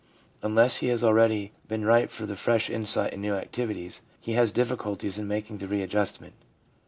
Unless he has already been ripe for the fresh insight and new activities, he has difficulty in making the readjustment.